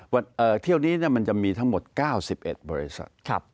วันเที่ยวนี้เนี่ยมันจะมีทั้งหมด๙๑บริษัท